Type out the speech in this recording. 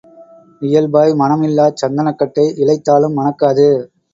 இயல்பாய் மணம் இல்லாச் சந்தனக் கட்டை இழைத்தாலும் மணக்காது.